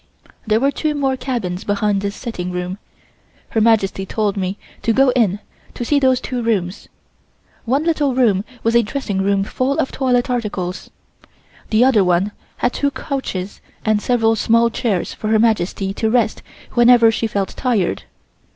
There were two more cabins behind this sitting room. Her Majesty told me to go in to see those two rooms. One little room was a dressing room full of toilet articles. The other one had two couches and several small chairs for Her Majesty to rest whenever she felt tired.